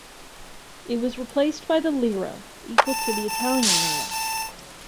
It was replaced by the lira, equal to the Italian lira.